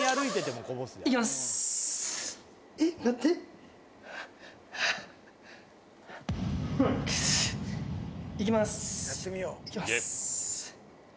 いきます。